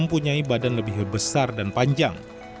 mempunyai badan lebih besar dan panjang